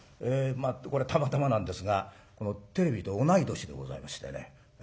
これはたまたまなんですがテレビと同い年でございましてね。